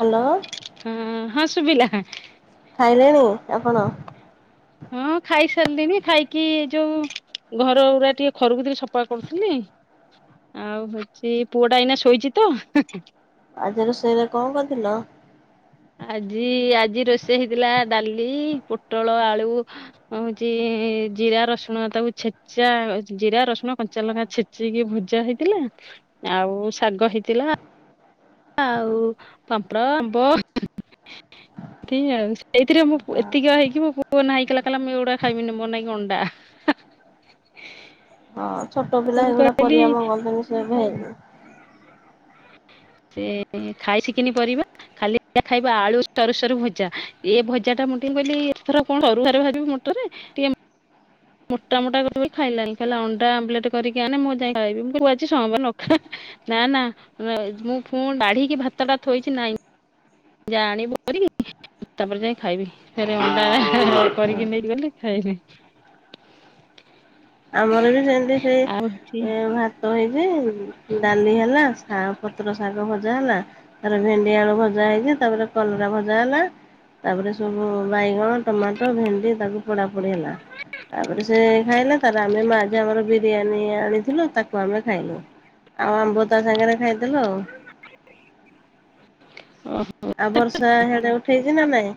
Hello. ହଁ ହଁ ଶୁଭିଲା। ଖାଇଲେଣି ଆପଣ? ହଁ ଖାଇସାରିଲିନି ଖାଇକି ଯୋଉ ଘର ଗୁରା ଟିକେ ଘରକୁ ଟିକି ସଫା କରୁଥିଲି ଆଉ ହଉଛି ପୁଅ ଟା ଏଇନା ଶୋଇଛି ତ। ଆଜି ରୋଷେଇ ରେ କଣ କରିଥିଲ? ଆଜି ଆଜି ରୋଷେଇ ହେଇଥିଲା ଡାଲି ପୋଟଳ ଆଳୁ ହଉଛି ଜିରା ରସୁଣ ତାକୁ ଛେଚା ଜିରା, ରସୁଣ, କଞ୍ଚା ଲଙ୍କା ଛେଚିକି ଭୁଜା ହେଇଥିଲା। ଆଉ ଶାଗ ହେଇଥିଲା। ଆଉ ପାମ୍ପଡ ଆମ୍ବ ସେଇଥିରେ ମୁଁ ଏତିକି ହେଇକି ମୋ ପୁଅ ନାହି କଲା କହିଲ ମୁଁ ଏଇଗୁଡା ଖାଇବିନି ମୋର ନାଇଁକ ଅଣ୍ଡା ହଁ ଛୋଟ ପିଲା ମୁଁ ଏଗୁଡା ପରିବା କହିଲି ମଗନ୍ତିନି। [unintelligible] ସେ ଖାଇସିକିନି ପରିବା ଖାଲି ଖାଇବା ଆଳୁ ସରୁ ସରୁ ଭଜା। ଏ ଭଜା ଟା ମୁଁ ଟିକେ କହିଲି ଏଥର କଣ [unintelligible] ମୋଟରେ ଟିକେ ମୋଟା ମୋଟା କର ବି ଖାଇଲାଣିି ଖାଲା ଅଣ୍ଡା ଆମ୍ବଲେଟ କରିକି ଆଣେ ମୁଁ ଯାଇକି ଖାଇବି ମୁ କଛି ସୋମବାର ନା ଖା ନ ନା ମୁଁ ପୁଣି ବାଢ଼ିକି ଭାତଟା ଥୋଇଛି ନାଇଁ ଯା ଆଣିବୁ କରି ତାପରେ ଯାଇ ଖାଇବି ସେ ଅଣ୍ଡା କରିକି ନେଇଗଲି ଖାଇଲା। [unintelligible] ସେଇନ୍ତି ସେଇ ଭାତ ହେଇଛି, ଡାଲି ହେଲା ଆଉ ପତ୍ର ଶାଗ ଭଜା ହେଲା ତାରେ ଭେଣ୍ଡି ଆଳୁ ଭଜା ହେଇଛି ତାପରେ କଲରା ଭଜା ହେଲା ତାପରେ ସବୁ ବାଇଗଣ, ଟମାଟୋ, ଭେଣ୍ଡି [unintelligible] ପୋଡା ପୋଡି ହେଲା ତାପରେ ସେ ଖାଇଲା। ଆମେ ମା ଝିଅ ଆମର ବିରିୟାନୀ ଆଣିଥିଲୁ ତାକୁ ଆମେ ଖାଇଲୁ ଆଉ ଆମ୍ବ ତା ସାଙ୍ଗରେ ଖାଇଦଲୁ ଆଉ। ଆଉ ବର୍ଷା ହେଡେ ଉଠେଇଛି ନା ନାଇଁ?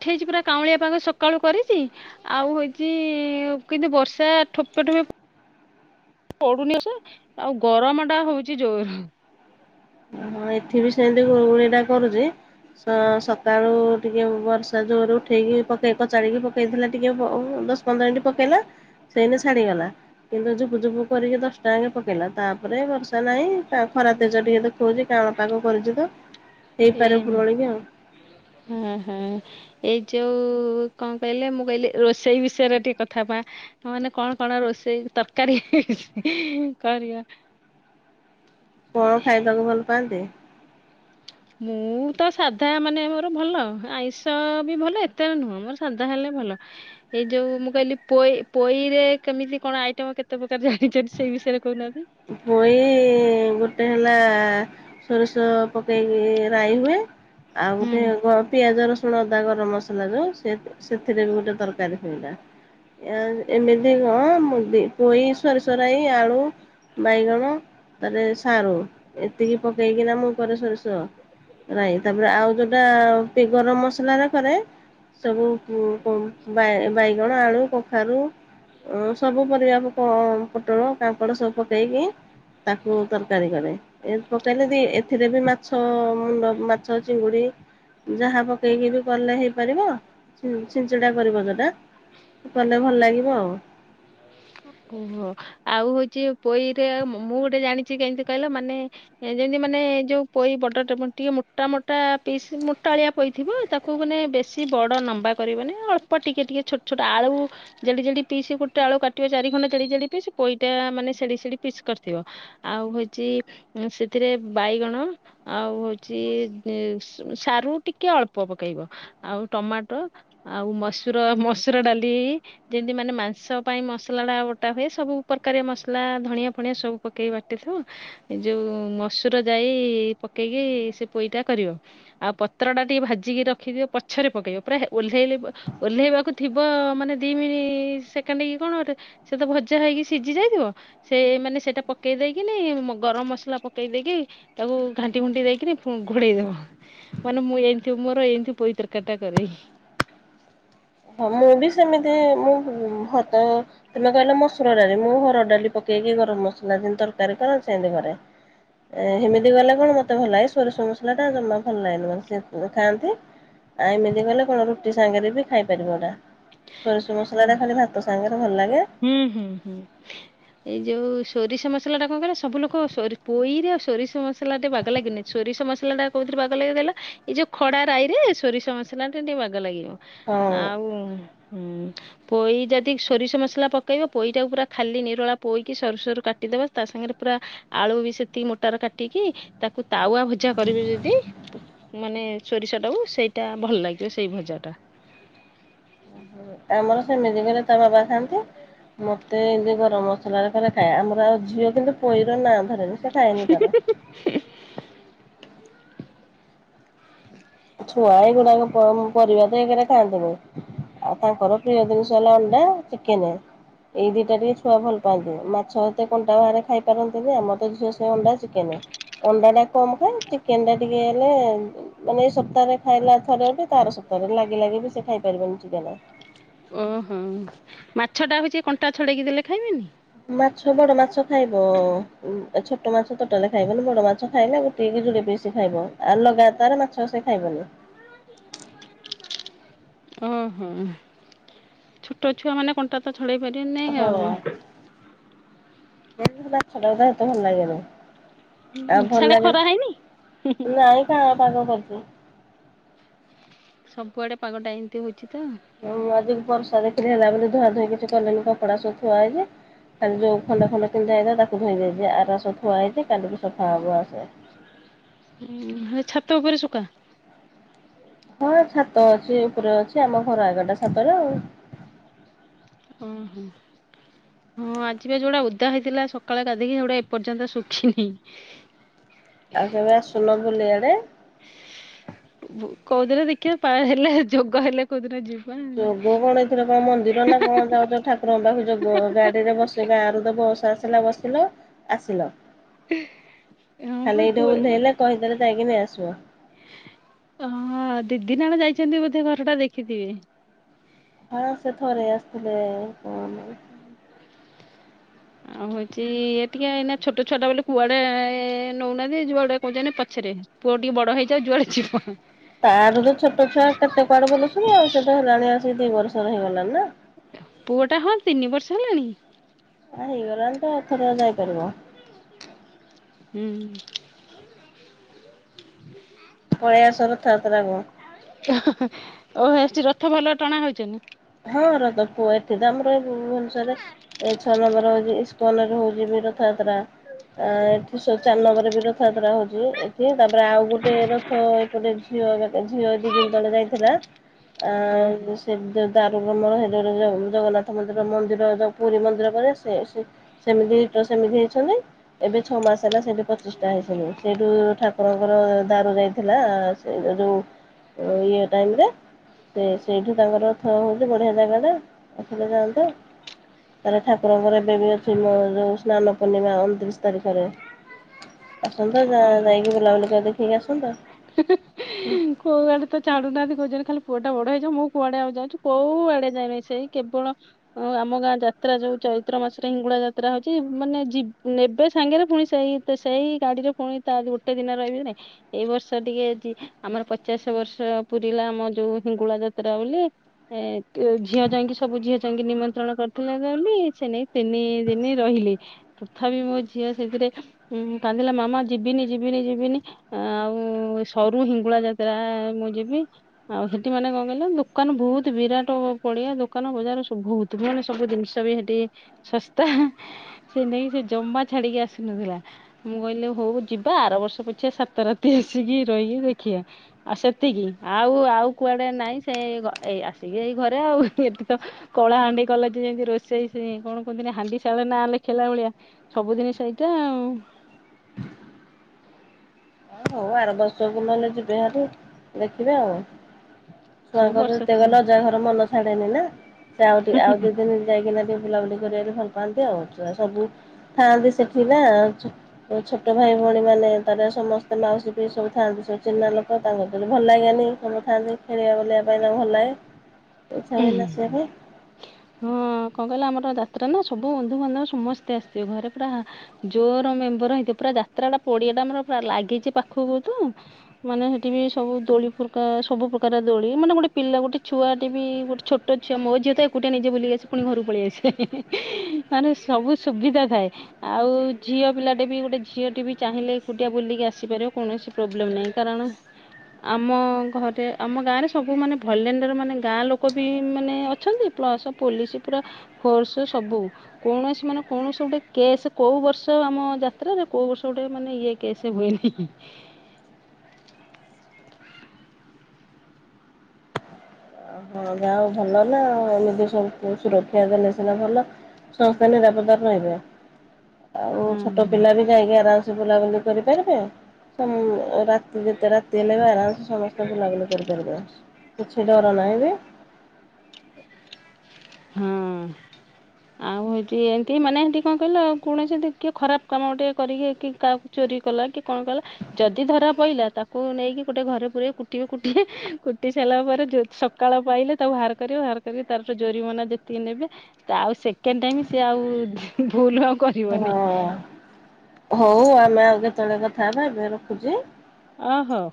ଉଠାଇଛି ପୁରା କାଉଁଳିଆ ପାଖ ସକାଳୁ କରିଛି ଆଉ ହେଉଛି କିନ୍ତୁ ବର୍ଷା ଠୋପେ ଠୋପେ ପଡୁନି ସ ଆଉ ଗରମ ଟା ହଉଛି ଜୋର। ହଁ ଏଠି ବି ସେ ସେମିତି ଗୁଳି ଗୁଳି ଟା କରୁଛି। ସ ସକାଳୁ ଟିକେ ବର୍ଷା ଜୋର ଉଠେଇକି ପକେଇ କଚାରିକି ପକେଇଥିଲା। ଟିକେ ଦଶ ପନ୍ଦର ମିନିଟ ପକେଇଲା ସେଇନେ ଛାଡିଗଲା। କିନ୍ତୁ ଝୁପୁଝୁପୁ କରିକି ଦଶଟା ଆଙ୍କେ ପକେଇଲା ତାପରେ ବର୍ଷା ନାଇଁ ତା ଖରା ତେଜ ଟିକେ ଦେଖଉଛି। ପାଗ ପଡିଯିବତ ଏ ହେଇପାରେ ପୁରଣିକ ଆଉ। ହଁ ହଁ। ଏଇ ଯୋଉ କଣ କହିଲେ ମୁଁ କହିଲି ରୋଷେଇ ବିଷୟରେ ଟିକେ କଥା ପା ମାନେ କଣ କଣ ରୋଷେଇ ତରକାରୀ କରିବ। କଣ ଖାଇବାକୁ ଭଲ ପାଆନ୍ତି? ମୁଁ ତ ସାଧା ମାନେ ମୋର ଭଲ ଆଇଁଷ ବି ଭଲ ଏତେରେ ନୁହଁ ମୋର ସାଧା ହେଲେ ଭଲ ଏଇ ଯୋଉ ମୁଁ କହିଲି ପୋଇ ପୋଇରେ କେମିତି କଣ ଆଇଟମ କେତେ ପ୍ରକାର ଜାଣିଛନ୍ତି ସେଇ ବିଷୟରେ କହୁନାହାନ୍ତି? ପୋଇ ଗୋଟେ ହେଲା ସୋରିଷ ପକେଇକି ରାଇ ହୁଏ। ଆଉ ହୁଁ। ଗୋଟେ ପିଆଜ ରସୁ ଲସୁଣ ଅଦା ଗରମ ମସଲା ଯୋଉ ସେ ସେଥିରେ ବି ଗୋଟେ ତରକାରୀ ଥିଲା ଏମିତି କଣ ମୁ ପୋଇ ସରି ସରାଇ ଆଳୁ ବାଇଗଣ ତାପରେ ସାରୁ ଏତିକି ପକେଇକିନା ମୁଁ କରେ ସୋରିଷ ରାଇ ତାପରେ ଆଉ ଯୋଉଟା ଗରମ ମସଲାରେ କରେ ସବୁ ବାଇଗଣ, ଆଳୁ, କଖାରୁ ସବୁ ପରିବା ପୋଟଳ, କାଙ୍କଡ଼ ସବୁ ପକେଇକି ତାକୁ ତରକାରୀ କରେ ପକେଇଲେ ଏଥିରେ ବି ମାଛ ମୁଣ୍ଡ ମାଛ ଚିଙ୍ଗୁଡି ଯାହା ପକେଇକି ବି କଲେ ହେଇପାରିବ ଛିଞ୍ଚଡା କରିବ ସେଟା କଲେ ଭଲ ଲାଗିବ ଆଉ। ଓହୋ ଆଉ ହଉଛି ପୋଇ ରେ ମୁଁ ଗୋଟେ ଜାଣିଛି କେମିତି କହିଲ ମାନେ ଯେମିତି ମାନେ ଯୋଉ ପୋଇ ବଡ ଟିକେ ମୋଟା ମୋଟା ପିସ୍ ମୋଟା ଆଳିଆ ପୋଇ ଥିବ ତାକୁ ମାନେ ବେଶୀ ବଡ ଲମ୍ବା କରିବ ମାନେ ଅଳ୍ପ ଟିକେ ଟିକେ ଛୋଟ ଛୋଟ ଆଳୁ ଜଡି ଯଡି ପି ଗୋଟେ ଆଳୁ କାଟିବ। ଚାରି ଖଣ୍ଡ ଜ ପି ପଇଟା ମାନେ ସେଦିକ ସେଡ଼ିକି ପିସ୍ କରିଥିବ ଆଉ ହଉଛି ସେଥିରେ ବାଇଗଣ ଆଉ ହଉଛି ସାରୁ ଟିକେ ଅଳ୍ପ ପକେଇବ ଆଉ ଟମାଟୋ ଆଉ ମସୁର ମସୁର ଡାଲି ଯେମତି ମେ ମାଂସ ପାଇଁ ମସଲାଟା ବୋଟା ହୁଏ ସବୁ ପ୍ରକାରଆ ମସଲା ଧଣିଆ ଫଣିଆ ସବୁ ପକେଇକି ବାଟିଥିବ ଏ ଯେଉଁ ମସୁର ଯାଇ ପକେଇକି ସେ ପୋଇଟା କରିବ ଆଉ ପତ୍ରଟା ଟିକିେ ଭାଜିକି ରଖିଦିଅ ପଛରେ ପକେଇବ ପୁରା ଓହ୍ଲାଇ ଓହ୍ଲାଇବାକୁ ଥିବ ମାନେ ଦୁଇ ମିନିଟ୍ ସେକେଣ୍ଡ କି କଣ ଗୋଟେ ସେ ତ ଭଜା ହେଇକି ସିଝି ଯାଇଥିବ ସେ ମାନେ ସେଟା ପକେଇ ଦେଇକିନି ଗରମ ମସଲା ପକେଇ ଦେଇକି ତାକୁ ଘାଣ୍ଟି ଘୁଣ୍ଟି ଦେଇକିନି ଘୋଡେଇ ଦବ ମାନେ ମୁଁ ଏମିତି ମୋର ଏମିତି ପଇ ତରକାରୀ ଟା କରେ। ହଁ ମୁଁ ବି ସେମିତି ମୁଁ ଭ ତମେ କହିଲ ମସୁର ଡାଲି ମୁଁ ହର ଡାଲି ପକେଇକି ଗରମ ମସଲା ଯେମତି ତରକାରୀ କରନ୍ତି ସେମିତି ଘରେ ହେମିତି ଗଲେ କଣ ମତେ ଭଲ ଲାଗେ ସୋରିଷ ମସଲା ଟା ଜମା ଭଲ ଲାଗେନି ମତେ ଖାଆନ୍ତି ଆଉ ଏମିତି ଗଲେ କଣ ରୁଟି ସାଙ୍ଗରେ ବି ଖାଇପାରିବ ଏତା। ସରଷ ମସଲା ହଁ। ଟା ଖାଲି ଭାତ ସାଙ୍ଗରେ ଭଲ ଲାଗେ। ହୁଁ ହୁଁ ହୁଁ ଏଇ ଯୋଉ ସୋରିଷ ମସଲା ଟା କଣ କହିଲା ସବୁ ଲୋକ ସୋ ପୋଇରେ ଆଉ ସୋରିଷ ମସଲା ଟେ ବାଗ ଲାଗିନି ସୋରିଷ ମସଲା ଟା କୋଉଥିରେ ବାଗ ଲାଗି ଦେଲା ଏଇ ଯୋଉ ଖଡା ରାଇ ରେ ସୋରିଷ ମସଲା ଟେ ଟିକେ ବାଗ ଲାଗିବ। ହଁ। ଆଉ। ହୁଁ ପୋଇ ଯଦି ସୋରିଷ ମସ ମସଲା ପକେଇବ ପୋଇଟାକୁ ପ ଖାଲି ନିରଳା ପୋଇକି ସରୁ ସରୁ କାଟିଦେବା ତା ସାଙ୍ଗରେ ପୁରା ଆଳୁ ବି ସେତିକି ମୋଟାରେ କାଟିକି ତାକୁ ତାୱ ଭଜା କରିବେ ଯଦି ମାନେ ସୋରିଷଟାକୁ ସେଇଟା ଭ ସେଇ ଭଯା ଟା। ଆମର ସେମିତି କଲେ ତା ବାବା ଖାଆନ୍ତି। ମତେ ଏମିତି ଗରମ ମସଲ ରେ କରେ ଖାଏ ଆମର ଆଉ ଝିଅ କିନ୍ତୁ ପୋଇଁର ନାଁ ଧରେନି। ଖାାଇନି ତରା। ଛୁଆ ଏଇଗୁଡାକ ପରିବା ତ ଏଇରେ ଖାଆନ୍ତିନି ଆଉ ତାଙ୍କର ପ୍ରିୟ ଜିନିଷ ହେଲା ଅଣ୍ଡା ଚିକେନ ଏଇ ଦିଟା ଟିକେ ଛୁଆ ଭଲ ପାଆନ୍ତି ମାଛ ଏତେ କଣ୍ଟା ବାହାରେ ଖାଇପାରନ୍ତିନି ଆମ ତ ଝିଅ ସେ ଅଣ୍ଡା ଚିକେନ ଅଣ୍ଡା ଟା କମ ଖାଏ। ଚିକେନ ତା ଟିକେ ହେଲେ ମାନେ ଏ ସବୁ ସପ୍ତାହରେ ଖାଇଲା ଥରେ ତାର ସପ୍ତାହରେ ଲାଗି ଲାଗି ବି ସେ ଖାଇପାରିବନି ଚିକେନା। କଟା ହଉଛି କଣ୍ଟା ଛଡ଼େଇକ ଦେ ଖାଇବେନି? ମାଛ ବଡ ମାଛ ଖାଇବ ଛୋଟ ମାଛ ତୋଟଲେ ଖାଇବନି ବଡ ମାଛ ଖାଇଲେ ଗୋଟେକ କି ଯୋଦ ପିସ ଖାଇବ। ଆଉ ଲଗାତାର ମାଛ ସେ ଖାଇବନି। ଓହୋ ଛୋଟ ଛୁଆ ମାନେ କଣ୍ଟା ତ ଚଳେଇ ପାରିବ ନାାଇଁ ହଁ। ଆଉ। ମାଛ ତା ଖାଇଟେ ଲାଗ ନି। ଆଉ ଭଲ ସାଡେ ଲାଗେ ଖରା ହେଇନି ନାଇଁ କାଁ ପାଗ କରିଛି। କୁଆୋଗଟା ଏମିତିଉଛି। ହୁଁ ଆଜି ବର୍ଷା ଲା ବୋଲି ଧୁଆ ଧୁଇ କିଛି କଲେନି କପଡା ସଖୁଆ ହେଇଯଛି ଖାଲି ଯୋଉ ଖଣ୍ଡା ଖଣ୍ଡ ପିନ୍ଧା ହେଇଏ ତାକୁ ଧୋଇ ଯାଇ ଆର ସବୁ ଠଆ ହେଇଛି କାଲିକୁ ସଫା ହବ ୱାସେ। ଉ ଛାତ ଉପରେ ସୁକା। ହଁ ଛାତ ଅଛି ଉପରେ ଅଛି ଆମ ଘର ଏଗଟା ଛାତରେ ଆଉ। ଓହୋ ହଁ ଆଜିିବ ଯୋଉଟା ଉଦା ହେଇଥିଲା ସକାଳେ ଗାଧିକି ସେଉଟା ଏପର୍ଯ୍ୟନ୍ତ ଶୁଖିନି। ଆଉ କେବେ ଆସୁଲ ବୁଲିଆଡେ? କୋଉଦିନ ଦେଖିବା ପା ହେଲେ ଯୋଗ ହେଲେ କୋଉଦିନ ଯିବ ଯୋଗ କଣ ଏଇଥିରେ କଣ ମନ୍ଦିର ନା କଣ ଯାଉଛ ଠାକୁରଙ୍କ ପାଖରେ ଯୋଗ ଗାଡିରେ ବସ ଗାଁ ରରେ ତ ବସ ଆସିଲା ବସିଲ ଆସିଲ। ହଁ ବା ଖାଲି ଏଠର ଉଲ୍ହେଇଲେ ଲେ କହିଦଳେ ଯାଇକିନି ନେଇଆସେ [inaudible] ଅ ଦିଦି ନାଣ ଯାଇଛନ୍ତି ବୋଧେ ଘର ଟା ଦେଖିଥିବେ। ହ ସେ ଥରେ ଆସିଥିଲେ କ ଆଉ ହଉଛି ଏ ଟିକେ ଏଇ ଛୋଟ ଛୁଟା ବୋ କୁଆଡେ ନଉନାହାନ୍ତି ଯୁଆଡେ କହୁଛନ୍ତି ପଛରେ ପୁଅ ଟିକେ ବଡ ହେଇଯାଉ ଯୁଆଡେ ଯିବ। ତାର ତ ଛୋଟ ଛୁଆ କେତେ କୁଆଡେ ବଲୁନି ଆଉ ସେଇଟା ହେଲାଣି ଆସିକି ଦି ବର୍ଷର ହେଇଗଲାଣି ନା। ପୁଅ ଟା ହଁ ତିନି ବର୍ଷ ହେଲାଣି ହେଇଗଲାଣି ତ ଥର ଯାଇପାରିବ। ହୁଁ। ପଳେଇ ଆସ ରଥ ଯାତ୍ରା କୁ ଓ ହେଠୀ ରଥ ଭଲ ଟଣା ହଉଛନ୍ତି। ହଁ ରଥ ପୁଅ ଏଠି ତ ଆମର ଏ ଭବନସରେ ଛଅ ନମ୍ବର ହଉଛି ଇସ୍କନରେ ହଉଛି ବି ରଥ ରଥଯାତ୍ରା ଏଠି ଶଚାନବରେ ବି ରଥଯାତ୍ରା ହଉଛି ଏଠି ତାପରେ ଆଉ ଗୋଟେ ରଥ ଏପଟେ ଝିଅ ଝିଅ ଦି ଦିନ ତଳେ ଯାଇଥିଲା ଆ ଓହୋ। ସେ ଡାରୁବ୍ରହ୍ମ ଜଗନ୍ନାଥ ମନ୍ଦିର ମନ୍ଦିର ଯୋଉ ପୁରୀ ମନ୍ଦିର ପରେ ସେ ସେମିତିଟ ସେମିତି ହେଇଛନ୍ତି। ଏବେ ଛଅ ମାସ ହେଲା ସେଇଠି ପଚିଶଟା ହେଇସିନି ସେଇଠୁ ଠାକୁରଙ୍କର ଦାରୁ ଯାଇଥିଲା ସେ ଯେଉଁ ଇଏ ଟାଇମ ସେ ସେଇଠୁ ତାଙ୍କର ବଢି ଜାଗା ଆସିଲେ ଯାଆନ୍ତ ତାଲେ ଠାକୁରଙ୍କର ଏବେ ବି ଅଛି ମୋ ଯଉ ସ୍ନାନ ପୂର୍ଣିମା ଅଣତିରିଶ ତାରିଖରେ ଆସନ୍ତତା ଯ ଓହୋ ଯାଇକି ବୁଲାବୁଲି କରି ଦେଖିକି ଆସନ୍ତ କୋଉ କୁଆଟା ବଡ ହେଇଛ ମୁଁ କୁଆଡେ ଆଉ ଯାଉଛଛି କୋଉ ଆଡେ ଯାଇନି ସେଇ କେବଳ ଆମ ଗାଁ ଯାତ୍ରା ଯୋଉ ଚୈତ୍ର ମାସରେ ହିଙ୍ଗୁଳା ଯାତ୍ରା ହଉଛି ମାନେ ଯ ନେବେ ସାଙ୍ଗରେ ପୁଣି ସେଇ ସେଇ ଶାଡିରେ ପୁଣି ତା ଗୋଟେ ଦିନ ରହିବେ ନାଇ ଏଇ ବର୍ଷ ଟିକେ ଆମର ପଚାଶ ବର୍ଷ ପୁରିଲା ଆମ ଯୋଉ ହିଙ୍ଗୁଳା ଯାତ୍ରା ବୋଲି ଏ ଝିଅ ଯାଇକି ସବୁ ଝିଅ ଯାଇକି ନିମନ୍ତ୍ରଣ କରିଥିଲେ ବୋଲି ସେ ନେଇେଇ ତିନି ଦିନ ରହିଲି ତଥାପି ମୋ ଝିଅ ସେଥିରେ କାନ୍ଦିଲା ମାମା ଯିବିନି ଯିବିନି ଯିବିନି ଆଉ ସରୁ ହିଙ୍ଗୁଳା ଯାତ୍ରା ମୁଁ ଯିବି ଆଉ ହେଠି ମାନେ କଣ କହିଲ ଦୋକାନ ବହୁତ ବିରାଟ ପଡିଆ ଦୋକାନ ବଜାରୁ ବହୁତ ପାନ ସବୁ ଜିନିଷ ବି ହେଠି ଶସ୍ତା ସେ ନେଇକି ସେ ଜମା ଛାଡିକି ଆସିନଥିଲା। ମୁଁ କହିଲି ହଉ ଯିବା ଆର ବର୍ଷ ପଛଆ ସାତ ରାତି ଆସିକି ରହିକି ଦେଖିବା ଆଉ ସେତିକି ଆଉ ଆଉ କୁଆଡେ ନାଇଁ ସେ ଏ ଆସିକି ଏଇ ଘରେ ଆଉ ଏଠି ତ କଳା ହାଣ୍ଡି କଲା ଯେ ଯେମତି ରୋଷେଇ ସେ କଣ କୁହନ୍ତି ହାଣ୍ଡି ସାଳ ନା ଲେଖିଲା ଭଳିଆ ସବୁଦିନି ସେଇଟା ଆଉ। ହଉ ଆର ବର୍ଷକୁ ନହେଲେ ଯିବେ ହାରି ଦେଖିବେ ଆଉ। ସେଇ ବର୍ଷ ଛୁଆଙ୍କର [inaudible] ଘର ମନ ଛାଡେନି ନା। ସେ ଆଉ ଟଠି ଆଉ ଦି ଦିନ ଯାଇକି ନା ବୁଲାବୁଲି ଭଲ ପାଆନ୍ତି ଆଉଆ ସବୁ ଥାଆନ୍ତି ସେଠୀ ନା ଆଉ ଛୋଟ ଭାଇ ଭଉଣୀ ମାନେ ତାରେ ସମସ୍ତେ ମାଉସୀ ପିଉସୀ ଥାନ୍ତି ସବୁ ଚିହ୍ନା ଲୋକ ତାଙ୍କ ଭଲ ଲାଗୋନି ସବୁ ଥାଆନ୍ତି ଖେଳିବା ବୁଳିବା ପାଇଁ ତାଙ୍କୁ ଭଲ ଲାଗେ। ହଁ [inaudible] କଣ କହିଲ ଆମର ଯାତ୍ରା ନା ସବୁ ବନ୍ଧୁବାନ୍ଧବ ସମସ୍ତେ ଆସିଥିବେ ଘରେ ପୁରା ଜୋର ମେମ୍ବର ହେଇଥିବ ପୁରା ଯାତ୍ରାଟା ପଡ଼ିଆଟା ଆମର ପୁରା ଲାଗିଛି ପାଖକୁ ତ ମାନେ ହେଠି ବି ସବୁ ଦୋଳି ଫୁର ସବୁ ପ୍ରକାର ଦୋଳି ମାନେ ଗୋଟେ ପିଲା ଗୋଟେ ଛୁଆଟି ବି ଗଟେ ଛୋଟ ଝିଅ ମୋ ଝଅ ତ ଏକୁଟିଆ ନିଜେ ବୁଲିକି ଆସେ ପୁଣି ଘକୁ ପଳେଇ ଆସେ ମାନେ ସବୁ ସୁବିଧା ଥାଏ ଆଉ ଝିଅ ପିଲାଟେ ବି ଗୋଟେ ଝିଅଟିେ ବି ଚାହିଁଲେ ଏକୁଟିଆ ବୁଲିକି ଆସିପାରିବ କୌଣସି ପ୍ରୋବ୍ଲେମ୍ ନାହିଁ କାରଣ ଆମ ଘରେ ଆମ ଗାଁରେ ସବୁ ମାନେ ଭଲେଣ୍ଡର ମାନେ ଗାଁ ଲୋକ ଲୋକ ବି ମାନେ ଅଛନ୍ତି ପ୍ଲସ ପୋଲିସ ପୁରା ଫୋର୍ସ ସବୁ କୌଣସି ମାନେ କୌଣସି ଗୋଟେ କେସ୍ କୋଉ ବର୍ଷ ଆମ ଯାତ୍ରାରେ କୋଉ ବର୍ଷ ଗୋଟେ ମାନେ ଇଏ କେସ୍ [inaudible] ହଁ ଯାହା ଭଲ ହେଲା ନିଜ ସବୁ ସୁରକ୍ଷା ଦେଲେ ସିନା ଭଲ ସଂସ୍େ ନିରାପତ୍ତା ରହିବେ। ଆଉ ହଁ। ଛୋଟ ପିଲା ବି ଯାଇକି ଆରାମ ବୁଲାବୁଲି କରିପାରିବେ। ରାତି ଯେତେ ରାତି ହେଲେ ବି ଆରାମସେ ସମସ୍ତେ ବୁଲାବୁଲି କରିପାରିବ। କିଛି ଡର ନାହିଁ। [unintelligible] ହଁ ଆଉ ହେଠି ଏମିତି ମାନେ ଏମତି କଣ କହିଲ କୌଣ ସେତି କିଏ ଖରାପ କାମ ଟିକେ କରିକି କି କାହାକୁ ଚୋରି କଲା କି କଣ କହିଲ ଯଦି ଧରା ପଇିଲଲା ତାକୁ ନେଇକି ଗୋଟେ ଘରେ ପୁର କୁଟିବ କୁଟି କୁଟି ସାରିଲା ପରେ ସକାଳ ପାଇଲେ ତାକୁ ହାର କରିବ ହାର କରିକି ତାର ଯେତିକି ନେ ଆଉ ସେକେଣ୍ଡ ଟାଇ ସ ଆଉ ଭୁଲ ଆଉ ହଁ କରିବନି। ହଉ ଆମେ ଆଉ କେତେବେଳେ କଥା ହେବା ଏବେ ରଖୁଛି। ଓ ହଉ